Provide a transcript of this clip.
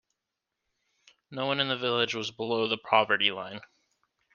No one in the village was below the poverty line.